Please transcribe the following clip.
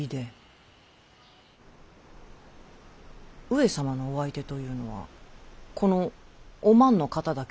上様のお相手というのはこのお万の方だけであったのか？